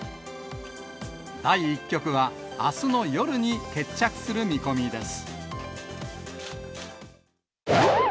第１局はあすの夜に決着する見込みです。